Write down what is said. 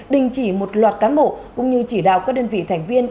đình chỉ một loạt cán bộ cũng như chỉ đạo các đơn vị thành viên